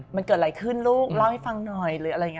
มันเกิดอะไรขึ้นลูกเล่าให้ฟังหน่อย